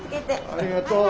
ありがとう。